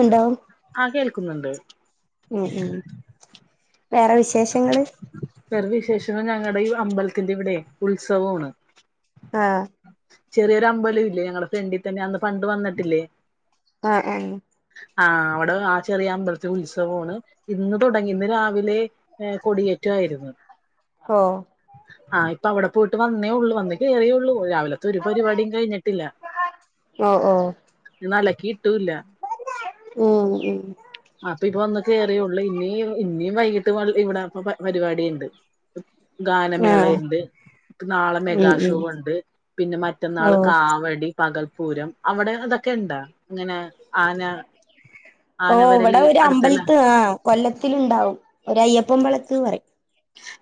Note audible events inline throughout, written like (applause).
ഉണ്ടോ ആഹ് കേൾക്കുന്നുണ്ട്. ഉം ഉം വേറെ വിശേഷങ്ങള്. വേറെ വിശേഷം ഞങ്ങളുടെ ഈ അമ്പലത്തിന്റെ ഇവിടെ ഉത്സവമാണ്. ആഹ് ചെറിയൊരു അമ്പലം ഇില്ലേ ഞങ്ങളടെ ഫ്രണ്ടിൽ തന്നെ അന്ന് പണ്ട് വന്നിട്ടില്ലേ. ആഹ് ആഹ് ആഹ് അവിടെ ആ ചെറിയ അമ്പലത്തി ഉത്സവമാണ് ഇന്ന് തുടങ്ങി ഇന്ന് രാവിലെ. ഏഹ് കൊടിയേറ്റുമായിരുന്നു. ഓ. ആഹ് ഇപ്പ അവിടെ പോയിട്ട് വന്നേ ഉള്ളു വന്ന കേയറിയേ ഉള്ളൂ രാ ഒരു പരിപാടിയും കഴിഞ്ഞിട്ടില്ല ഓ ഓ അലക്കി ഇട്ടൂല്ല. ഉം ഉം. അപ്പൊ ഇപ്പൊ ഒന്ന് കേയറിയള്ളൂ ഇന ഇനിയും വൈകിട്ട് ഇവിടെപ്പ പരിപാടിണ്ട്. ഗാനമേള ആഹ് ഉണ്ട് നാളെ ഉം മെഗാ ഉം ഷോ ഉണ്ട്. പിന്നെ ഓ മറ്റന്നാള് കാവടി പകൽപ്പൂരം അവിടെ അതൊക്കെ ഉണ്ടാ. അങ്ങനെ ആന ആനവരലി അടുത്തല്ല. കൊല്ലത്തിൽ ഉണ്ടാവും ഒരഅയ്യപ്പം വളത്ത് പറയും.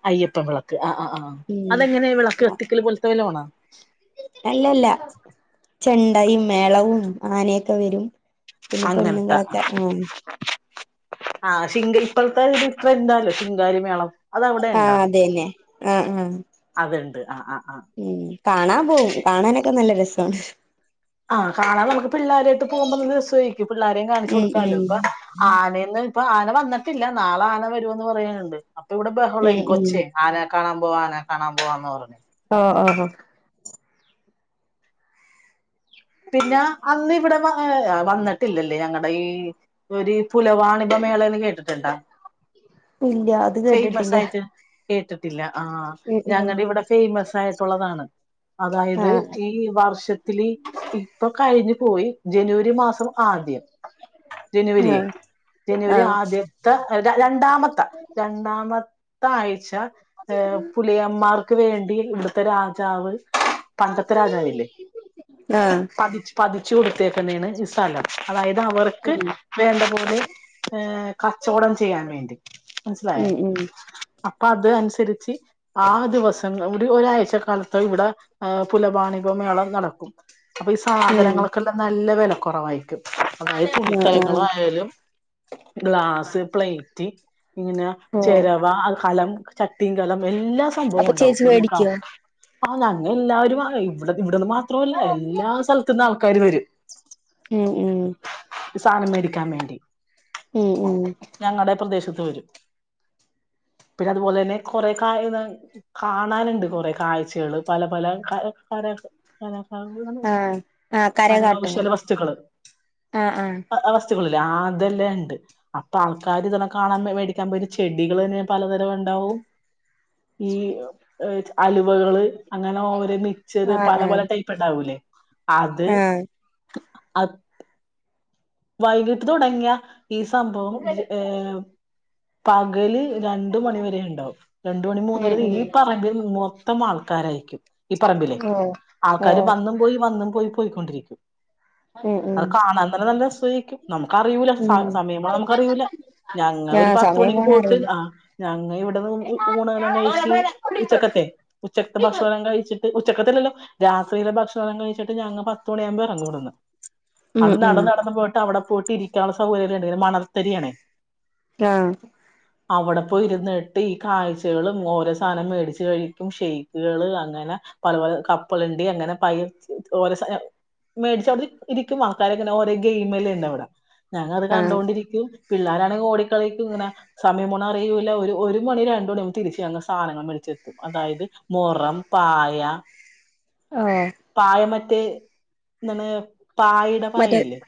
അയ്യപ്പം വിളക്ക് ആഹ് ആഹ് ആഹ് ഉം അതെങ്ങനെ വിളക്ക് കത്തിക്കല് പോലത്തെ വല്ല ആണോ. അല്ലല്ല ചെണ്ടയും മേളവും ആനയൊക്കെ വരും. പിന്നെ അങ്ങനത്ത. പെണ്ണുങ്ങളൊക്കെ ആഹ് ആഹ് (unintelligible) ഇപ്പ എന്താലോ ശിങ്കാരി മേളം. അത് അവിടെ ആഹ് അതന്നെ ആഹ് ആഹ് അതണ്ട് ആഹ് ആഹ് ആഹ് ഉം കാണാൻ പോകും കാണാനൊക്കെ നല്ല രസമാണ്. ആഹ് കാണാൻ നമുക്ക് പിള്ളാരെയായിട്ട് പോവുമ്പ ഒരു ദിവസമായിരിക്കും പിള്ളാരെയും കാണിച്ചു ഉം കൊടുക്കാല്ലോ ഉം ഇപ്പൊ ആനന്ന്. ഇപ്പൊ ആന വന്നിട്ടില്ല നാളെ ആന വരവൊന്ന് പറയാനുണ്ട് അപ്പൊ ഇവിടെ ഉം ബഹ്ളയും ഉം കൊച്ചേ ആനെ കാണാൻ പോവാ ആനെ കാണാൻ പോവാന്ന് പറഞ്ഞേ. ഓ ഓ ഹൊ പിന്നെ അന്ന് ഇവിടെ വ ആഹ് വന്നിട്ടില്ലല്ലേ ഞങ്ങളുടെ ഈ ഒരു പുലവാണിപ മേളന്ന് കേട്ടിട്ടുണ്ടാ. ഇല്ല്യ അത് ഫേമസ് കേട്ടിട്ടില്ല. ആയിട്ട് കേട്ടിട്ടില്ല ആഹ ഉം ഉം ഞങ്ങടെ ഇവിടെ ഫേമസ് ആയിട്ടുള്ളതാണ്. അതായത് ആഹ് ഈ വർഷത്തില് ഇപ്പൊ കഴിഞ്ഞു പോയി ജനുവരി മാസം. ആദ്യം ജനുവരിയെ ആഹ് ജനുവരി ആഹ് ആദ്യം. (unintelligible) രണ്ടാമത്തെ രണ്ടാമത്തെ ആഴ്ച. (unintelligible) പുലിയമാർക്ക് വേണ്ടി ത്തെ രാജാവ് പണ്ടത്തെ രാജാവില്ലേ. ആ പതി പതിച്ചു കൊടുത്തേക്കുന്നെയാണ് ഈ സ്ഥലം അതായത് അവർക്ക് ഉം വേണ്ട പോലെ. ഏ കച്ചോടം ചെയ്യാൻ വേണ്ടി. മനസ്സിലായ ഉം ഉം. അപ്പൊ അത് അനുസരിച്ച്. ആ ദിവസം ഒരു ഒരാഴ്ച കാലത്ത് ഇവിടെ പുലപാണിപ മേളം നടക്കും. അപ്പൊ ഈ ഉം സാധനങ്ങളൾക്കെല്ലാം നല്ല വില കുറവായിരിക്കും അതായത് ആഹ് ആഹ് തുണിത്തരങ്ങളയാലും. ഗ്ലാസ് പ്ലേറ്റ് ഇങ്ങനെ ഓ ചെരവ കലം ചട്ടി കുട്ടീങ്കലം എല്ലാ സംഭവം അപ്പൊ ഉണ്ടാവും ചേച്ചി നമുക്കാ. വേടിക്കോ ആ അങ്ങ എല്ലാവരും ഇവിടെ ഇവിടെന്ന് മാത്രമല്ല എല്ലാ സ്ഥലത്തനിന്ന് ആൾക്കാാര വരും. ഉം ഉം സാനം മേടിക്കാൻ വേണ്ടി. ഉം ഉം. ഞങ്ങടെ പ്രദേശത്ത് വരും പിന്നെ അതുപോലെ തന്നെ കൊറെ (unintelligible) കാണാനുണ്ട് കുറെ കാഴ്ചകള് പല പല (unintelligible) (unintelligible) ആഹ് ആഹ് കരകാട്ടോ കരകൗശാല വസ്തുക്കള് ആഹ് ആഹ് (unintelligible) (unintelligible) ആ അതെല്ലാം ഇണ്ട് അപ്പൊ ആൾക്കാാര് ഇതെല്ലെ കാണാൻ മേടിക്കാൻ വരും ചെടികൾ വരെ പലതരം ണ്ടാവും ഈ അലുവകള് അങ്ങനെ ഓരോ മിച്ചർ ആഹ് പല ആഹ് പല ടൈപ്പ് ഉണ്ടാവൂലെ അത് ആഹ് വൈകിട്ട് തൊടങ്ങിയ ഈ സംഭവം ഏ പകല് രണ്ട് മണിവരെ ണ്ടാവും രണ്ടു മണി മൂന്ന ഉം ര ഈ ഉം പറമ്പിൽ മൊത്തം ആൾക്കാരായിരിക്കും ഈ പറമ്പിലെ ഓ ഓ ആൾക്കാര് വന്നും പോയി വന്നും പോയി പോയിക്കൊണ്ടിരിക്കും ഉം ഉം അത് കാണാൻ തന്നെ നല്ലരസ നമുക്കറിയൂല ഉം സ സമയം പോണെ നമുക്കറിയൂല്ല ഞങ്ങ ഒരു ആഹ് സമയം പത്ത്മണിക്ക് പോണ പോയിട്ട് അറിയില്ല ആഹ് ഞങ്ങ ഇവിടന്ന് ഊണെല്ലാം കഴിച്ച് ഉച്ചക്കത്തെ ഉച്ചക്കത്തെ ഭക്ഷണം എല്ലാം കഴിച്ചിട്ട് ഉച്ചക്കത്തില്ലല്ലോ രാത്രിയിലെ ഭക്ഷണം എല്ലാം കഴിച്ചിട്ട് ഞങ്ങ പത്തുമണിയാകുമ്പോ ഇറങ്ങും ഇവിടന്ന് ഉം അവിടന്ന് ഉം നടന്ന് നടന്ന് പോയിട്ട് അവിടെ പോയിട്ട് ഇരിക്കാനുള്ള സൗകര്യംല്ല ഉണ്ടെ മണർത്തരിയണെ ആഹ് അവടെപ്പോയി ഇരുന്നിട്ട് ഈ കാഴ്ചകളും ഓരോ സാനം മേടിച്ചു കഴിക്കും ഷെയ്ക്ക് കള് അങ്ങനെ പല പല കപ്പലണ്ടി അങ്ങനെ പൈ ഓരോ മേടിച്ചവിടെ ഇരിക്കും ആൾക്കാരെങ്ങനെ ഓരേ ഗെയിമല്ല ഉണ്ട് അവിടെ ഞങ്ങ അത് ആഹ് കണ്ടൊണ്ടിരിക്കും പിള്ളാരാണെങ്കിൽ ഓടിക്കളിക്കും ഇങ്ങനെ സമ്യംപോണേ അറയൂല്ല ഒരു മണി രണ്ട് മണി ആമ്പോ തിരിച്ച് ഞങ്ങ സാധനങ്ങമേടിച്ചെത്തും അതായത് മുറം പായ ആഹ് പായ മറ്റേ ന്താണ് പായയുടെ മറ്റേ പായല്ലെ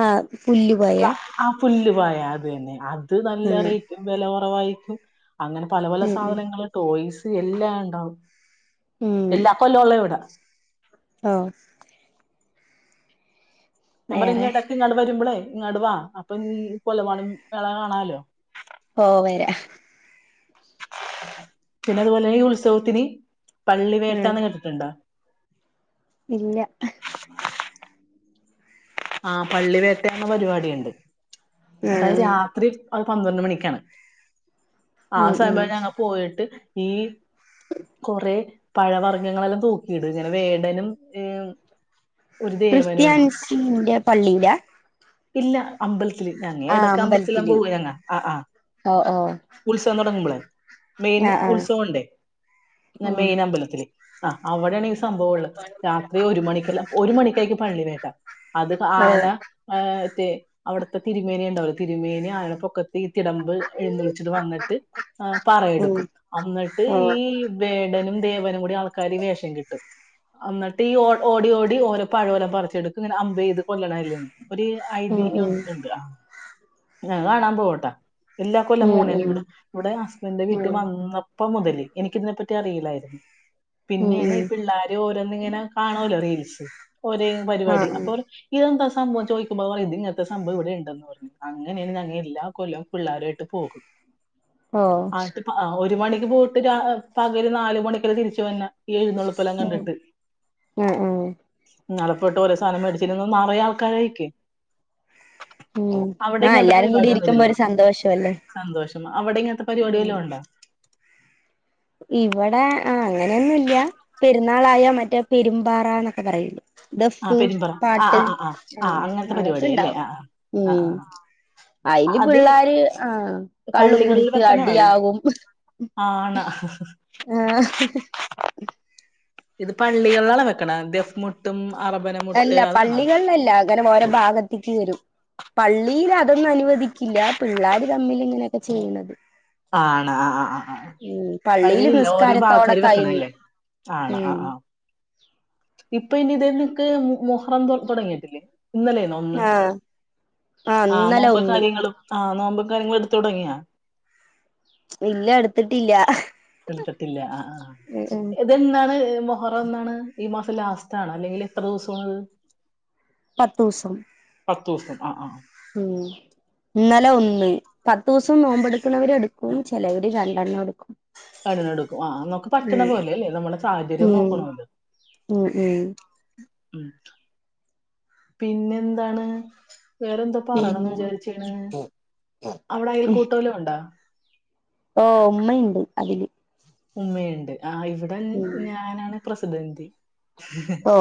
ആഹ് പുല്ലു പായാ ആഹ് പുല്ല് പായ അത് തന്നെ അത് ആഹ് റൈറ്റ് വില കുറവായിരിക്കും. അങ്ങനെ പല പല ഉം ഉം സാധനങ്ങള് ടോയ്സ് എല്ലാം ഉണ്ടാവും. എല്ലാ കൊല്ലൊ ഉള്ളെ ഇവടെ ആഹ് വേറെ ഞമ്മളിഞ്ഞെടക്കി ഇങ്ങാട്ട് വരുമ്പളേ ഇങ്ങാട് വാ അപ്പൊ നീ കൊല്ലവാണം വിള കാണാലോ. ഓ വരാ. പിന്നെ അതുപോലെ ഈ ഉത്സവത്തിന് പള്ളി ഉം വേട്ടാന്ന് കേട്ട് തിണ്ടാ ഇല്ല ആഹ് പള്ളിവേട്ട എന്ന പരിപാടി ഉണ്ട് അതായത് ഉം രാത്രി- അത് പന്ത്രണ്ട് മണിക്കാണ് ഉം ആഹ് ഉം സമയം ഞങ്ങൾ പോയിട്ട് ഈ കൊറേ പഴവർഗങ്ങളൊക്കെ തൂക്കിടും ഇങ്ങനെ വേടനും ഏ ഒരു ദേവനുമാണ് ക്രിസ്ത്യൻസിന്റെ പള്ളിയിലാ? ഇല്ല അമ്പല്ത്തില് ഞങ്ങ ആഹ് ഇടയ്ക്ക് അമ്പലത്തിലെല്ലാം അമ്പലത്തില് പോ ഞങ്ങ ആഹ് ആഹ് ഓ ഓ ഉത്സവം തുടങ്ങുമ്പളെ മെയില് ആഹ് ആ ആഹ് ഉത്സവം ഉണ്ടേയ് ആ ഉം മെയ്ന അമ്പലത്തില്. ആഹ് അവിടെയാണ് ഈ സംഭവം ഉള്ളത് രാത്രി ഒരു മണിക്കെല്ലാം ഒരു മണിക്കാ ഈ പള്ളി വേട്ട- അത് ഓ ആന ഏ റ്റേ അവിടത്തെ തിരുമേനി ഉണ്ടാവില്ല തിരുമേനി അയാളെ പൊക്കത്ത് ഈ തിടമ്പ് എഴുന്നള്ളിച്ചിട്ട് വന്നിട്ട് ഈ ഉം പാറയെടുക്കും അന്നിട്ട് ഓ ഈ വേടനും ദേവനും കൂടി ആൾക്കാര് വേഷം കിട്ടും അന്നിട്ട് ഈ ഓ ഓടി ഓടി ഓരോ പഴോല പറിച്ചെടുക്കും ഇങ്ങനെ അമ്പെയ്ത് കൊല്ല്ണെ അല്ലാണ് ഒരു ഉം ഐതിഹ്യം ഉം ഉണ്ട് ആഹ് ഞാൻ കാണാൻ പോവുട്ടോ എല്ലാ കൊല്ലൊന്നും ഉം വന്നില്ലിവിടെ ഇവിടെ ഹസ്ബൻഡിന്റെ ഉം വീട്ടിൽ ഉം വന്ന ന്നപ്പം മുതല് എനക്ക് ഇതിനെപ്പറ്റി അറിയില്ലായിരന്നു. ഉം പിന്നെയാണ് ഉം പിള്ളേര് ഓരോന്നിങ്ങനെ കാണൂലെ റീൽസ്. ഒരേ പരിവാടി ആഹ് ആഹ് അപ്പോൾ എന്താ സംഭവം ചോദിക്കുമ്പോ പറയും ഇത് ഇങ്ങനെത്തെ സംഭവം ഇവിടെ ഉണ്ടെന്ന് പറഞ്ഞു അങ്ങനെയാണ് ഞങ്ങ എല്ലാ കൊല്ലം പിള്ളേരു ആയിട്ട് പോകും ഓഹ് ആട്ട് ആ ഒരു മണിക്ക് പോയിട്ട് ര പകല് നാല് മണിക്കെന്നെ തിരിച്ചു വരണം ഈ എഴുന്നൊളപ്പെല്ലാം ഉം കണ്ടിട്ട് ആഹ് ആഹ് നാൾ പോയിട്ട് കുറേ സാധനം മേടിച്ചിരുന്നു നറയെ ആൾക്കാരായിരിക്കും ഉം അവിടെ ആ ഇങ്ങനത്തെ എല്ലാരും കൂടി പരിപാടി ഇരിക്കുമ്പോ ഒന്നുമില്ലല്ലേ ഒരു സന്തോഷം അല്ലേ. സന്തോഷം അവിടെ ഇങ്ങന്ത്തെ പരിപാടി വല്ലോ ഉണ്ടോ? ഇവിടെ ആ അങ്ങനെയൊന്നുല്ല്യാ പെരുന്നാളായ മറ്റേ പെരുമ്പാറ എന്നൊക്കെ പറയുള്ളൂ. ആഹ് ദഫ് പെരുമ്പറ ആഹ് പാട്ട് ആഹ് ആഹ് ആഹ് ആ ആഹ് അങ്ങനത്തെ അതൊക്കെ പരിപാടിയ അല്ലേ ഇണ്ടാവും ആഹ് ആഹ് ഉം ആഹ് അയില് ആഹ് അത് പിള്ളാര് ആ കള്ളും കുടിച്ച് അടിയാവും. ആണോ ആഹ് ഹ് ഹ് ഇത് പള്ളികളിലാണോ വെക്ക്ണെ ദഫ്മുട്ടും അറബന മുട്ട് അല്ല അതാണോ? പള്ളികളിലല്ല അങ്ങനെ ഓരോ ഭാഗത്തിക്ക് വരും. പള്ളിയീൽ അതൊന്നു അനുവദിക്കില്ല. പിള്ളാര് തമ്മിൽ ഇങ്ങനെയൊക്കെ ചെയ്യ്ണത് ആണ് ആ ആ ആ ആ പള്ളിയില് പള്ളിയില്ല ഓരോ നിസ്കാരത്തോടെ ഭാഗക്കാര് കഴിഞ്ഞു വെക്ക്ണതല്ലേ. ആണോ ആ ഉം ആ ഇപ്പൊ ഇനി ഇത് നിക്ക് മു മുഹറം തുടങ്ങിയിട്ടില്ലേ ഇന്നലേണോ? ഇന്ന് ആഹ് ആഹ് ഇന്നലെ നോമ്പും ഒന്ന് കാര്യങ്ങളും ആഹ് നോമ്പും കാര്യങ്ങളും എട്ത്ത് തുടങ്ങിയോ? ഇല്ല എടുത്തിട്ടില്ല എടുത്തിട്ടില്ല ആഹ് ആഹ് ഉം ഉം ഇതെന്നാണ് മൊഹറം എന്നാണ്? ഈ മാസം ലാസ്റ്റാണാ, അല്ലെങ്കില് എത്ര ദിവസോണത്? പത്തൂസം. പത്തൂസം ആഹ് ആഹ്. ഉം ഇന്നലെ ഒന്ന്. പത്തൂസം നോമ്പെടുക്കുന്നവര് എടുക്കും. ചെലവര് രണ്ടെണ്ണം എടുക്കും. രണ്ടണ്ണടുക്കും. ആഹ് ആഹ് നിങ്ങക്ക് പറ്റുന്ന പോലെല്ലേ. നമ്മളെ സാഹചര്യം ഉം നോക്കണോല്ലൊ. ഉം ഉം ഉം പിന്നെന്താണ്? വേറെന്തൊ പറയണൊന്ന് പിന്നെ വിചാരിച്ചേണ്. അവിടെ അയൽ കൂട്ടം വല്ലോ ഒണ്ടാ? ഓഹ് ഉമ്മയ്ണ്ട് അതില്. ഉമ്മയ്ണ്ട്. ആഹ് ഇവിടെ ഉം ഞാനാണ് പ്രസിഡന്റ്. ഓ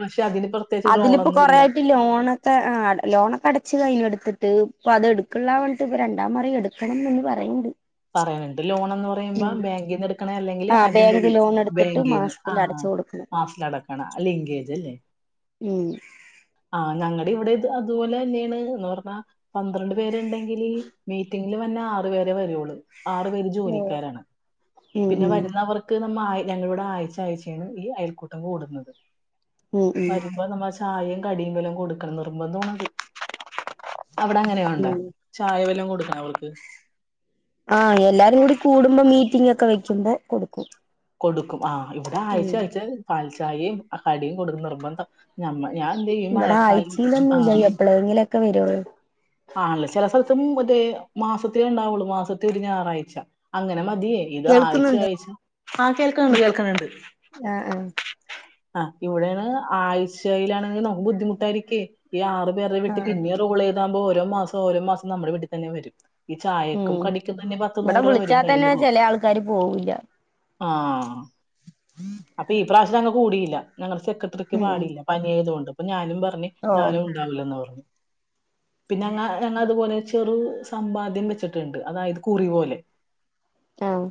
പക്ഷെ അതിന് പ്രത്യേകിച്ച് റോളൊന്നുല്ല. ലോണ് പ്പ ആഹ് ലോണൊക്കെ അടച്ച് കഴിഞ്ഞു എടുത്തിട്ട്. ഇപ്പൊ അത് എടുക്കണില്ലാ പറഞ്ഞിട്ട് ഇപ്പ രണ്ടാ മറി എടുക്കണംന്ന് ഉമ്മി പറയ്ണ്ട്. പറയണണ്ട്. ലോണെന്ന് പ പറയ്മ്പ ബാങ്കിന്ന് എടുക്കണ അല്ലെങ്കില് ആ ബാങ്ക് അതിന്റുള്ളിന്നാ. ലോൺ എടുത്തിട്ട് ബാങ്കിന്ന്. മാസത്തിൽ ആഹ് അടച്ചു കൊടുക്കണം മാസത്തിലടക്കണം. അത് ലിൻഗേജല്ലേ? ഉം ആഹ് ഞങ്ങടെ ഇവിടെം അതുപോലെ തന്നേണ് എന്ന് പറഞ്ഞാ പന്ത്രണ്ട് പേര്ണ്ടെങ്കില് മീറ്റിങ്ങില് വന്ന ആറുപേരെ വരുള്ളൂ. ആറു പേര് ജോലിക്കാരാണ്. ഉം പിന്നെ ഉം വരുന്നവർക്ക് നമ്മ ആയ് ഞങ്ങളിവിടെ ആയിച്ച ആയിച്ചയാണ് ഈ അയൽക്കൂട്ടം കൂടുന്നത്. ഉം വരുമ്പ നമ്മ ചായയും കടിയും വല്ലൊം കൊടുക്കണം. നിർബന്ധമാണത്. അവിടെ അങ്ങനെയൊണ്ട? ഉം ചായ വല്ലൊം കൊടുക്കണ അവർക്ക്? ആഹ് എല്ലാരും കൂടി കൂടുമ്പോ മീറ്റിങൊക്കെ വെക്കുമ്പോ കൊടുക്കും. കൊടുക്കും. ആഹ്, ഇവിടെ ആഴ്ച്ച ഉം ആഴ്ച്ച പാൽചായേം കടിം കൊടുക്കും നിർബന്ധ. നമ്മ ഞാൻ ന്തെയ്യും ഈ മഴക്കാലം വെച്ച് ആഹ് എപ്പഴെങ്കിലൊക്കെ വരുള്ളൂ. ആണല്ലെ. ചെല സ്ഥലത്തും അതെ മാസത്തിലേ ഒണ്ടാവുള്ളൂ. മാസത്തെ ഒരു ഞായറാഴ്ച. അങ്ങനെ മത്യേ ഇത് ആയ്ച്ച കേൾക്കുന്നുണ്ടോ ആയ്ച്ച ആഹ് കേൾക്കന്ന്ണ്ട് കേൾക്കന്ന്ണ്ട്. ആഹ് ആഹ് ആഹ്, ഇവിടെണ് ആഴ്ചയിലാണ്. ‌ നമക്ക് ബുദ്ധിമുട്ടായിരിക്കെ. ഈ ആറ് പേര്ടെം ആ വീട്ടി പിന്നെ റോള് ചെയ്താവുമ്പോ ഓരോ മാസം ഓരോ മാസം നമ്മുടെ വീട്ടി തന്നെ വരും. ഈ ചായക്കും ഉം കടിക്കും തന്നെ പത്ത് ഇവിടെ നൂറ് രൂപ വരും വിളിച്ചാ തന്നെ കയ്യില്ന്ന്. ചെല ആൾക്കാര് പോവൂല്ല ആഹ് അപ്പ ഈ പ്രാവശ്യം ഞങ്ങ കൂടിയില്ല. ഞങ്ങളെ സെക്രട്ടറിക്ക് ഉം പാടില്ല പനിയായത് കൊണ്ട്. അപ്പൊ ഞാനും പറഞ്ഞ് ഓ ഞാനും ഉണ്ടാവില്ലെന്നു പറഞ്ഞു. പിന്നെ ഞങ്ങ ഞങ്ങ അതുപോലെ ചെറു സമ്പാദ്യം വെച്ചിട്ടുണ്ട് അതായത് കുറി പോലെ. ആഹ്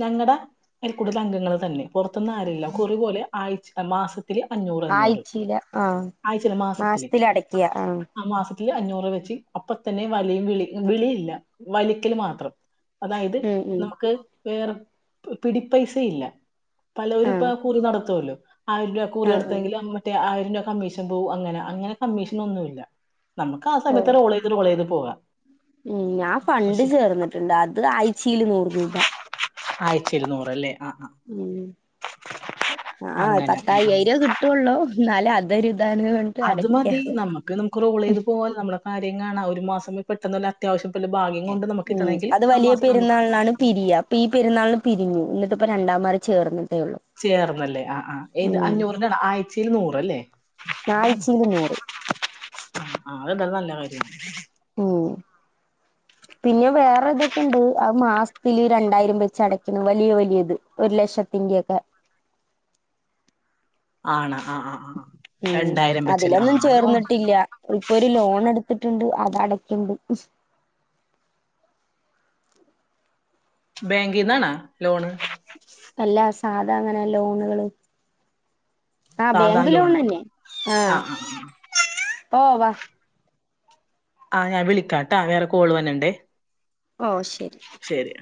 ഞങ്ങടെ അയൽക്കൂട്ടത്തെ അംഗങ്ങള് തന്നെ. പൊറത്തുന്നും ആരൂല്ല. കുറി പോലെ ആഴ്ച മാസത്തി ത്തില് അഞ്ഞൂറ് അഞ്ഞൂറ്. ആഴ്ചയില ആഹ് ആഴ്ചയല്ല മാസത്തില് മാസത്തിൽ അടയ്ക്കുക ആഹ് മാസത്തില് അഞ്ഞൂറ് വെച്ച്. അപ്പ തന്നെ വലിയും വിളി വിളിയില്ല വലിക്കല് മാത്രം. അതായത് ഉം ഉം നമക്ക് വേറെ പിടിപ്പൈസയില്ല. പലോര്പ്പ ആഹ് കുറി നടത്തുവല്ലോ? ആയിരം രൂപ കുറി ആഹ് ആഹ് നടത്തങ്കില് അമ്മ ത്തെ ആയിരം രൂപ കമ്മീഷൻ പോവും അങ്ങന. അങ്ങനെ കമ്മീഷനൊന്നുല്ല. നമുക്ക് ആ ഓ സമയത്ത് റോളെയ്ത് ഇത്ന്ന് കൊളെയ്ത് പോവാ ഉം ഞാൻ പണ്ട് ചേർന്നിട്ടുണ്ട് അത് ആഴയിച്ചീല് നൂറ് രൂപ ആയ്ച്ചേല് ന്നൂറ് ല്ലേ? ആഹ് ആഹ് ഉം ഉം പത്ത അങ്ങനെ ഉം, ഉം. കട്ടയെയിര കി ട്ടുള്ളൂ ന്നാലും അതൊരു താണ് പ അത് മതി. നമുക്ക് നമുക്ക് റോളെയ്ത് പോവാ നമ്മള കാര്യം കാണാ ഒരു മാസം മു പെട്ടെന്ന് വല്ല അത്യാവശ്യംപല ഭാഗ്യം കൊണ്ട് നമുക്ക് കിട്ടണെങ്കിൽ ആ മാസം നമുക്ക് ക്കാണ് പിരിയാ ഇപ്പ ഈ പെര്ന്നാളിന് പിരിഞ്ഞു. ഇന്ന്ട്ട്പ്പോ രണ്ടാ മറി ചേർന്നിട്ടേ ഉള്ളൂ ചേർന്നല്ലേ ആഹ് ആഹ് ഏത് ഉം അഞ്ഞൂറിന്റൊണ് ആഴ്ച്ചേല് നൂറല്ലേ ആഴ്ചയില് നൂറ് ആ അതെന്തായാലും നല്ല കാര്യ ഉം പിന്നെ വേറെ ഇതൊക്കെണ്ട് ആഹ് മാസത്തില് രണ്ടായിരം വെച്ച് അടക്കുന്നു വലിയ വലിയത് ഒരു ലക്ഷത്തിന്റെക്കെ ആണ ആഹ് ആഹ് ആഹ് ഉം രണ്ടായിരം വെച്ചല്ലേ അതിലൊന്നും ആഹ് ലോൺ ചേർന്നിട്ടില്ല ഇപ്പൊ ഒരു ലോൺ എടുത്തിട്ടുണ്ട് അത അടയ്ക്കുണ്ട് ബാങ്കിൽന്നാണാ ലോണ് അല്ലാ സാധാ ഇങ്ങനെ ലോണ്‌കൾ ആഹ് സാധാ ബേങ്ക് ലോൺ ലോണ് അല്ലെ ആഹ് ഹോ വാ ആഹ് ഞൻ വിളിക്കാംട്ടാ വേറെ കോൾ വന്നണ്ടേ ഓഹ് ശരി ശരി